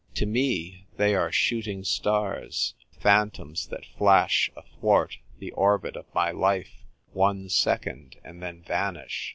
To me, they are shooting stars, phantoms that flash athwart the orbit of my life one second, and then vanish.